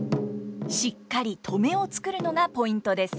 しっかり「止め」を作るのがポイントです。